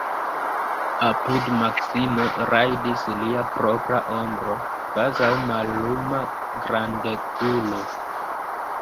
Apud Maksimo rajdis lia propra ombro, kvazaŭ malluma grandegulo.